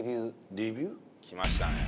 きましたね。